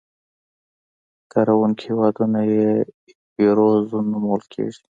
کاروونکي هېوادونه یې یورو زون نومول کېږي.